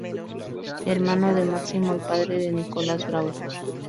Hermano de Máximo y padre de Nicolás Bravo.